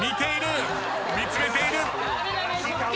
見つめている。